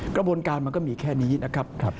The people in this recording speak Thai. กระบวนการมันก็มีแค่นี้นะครับ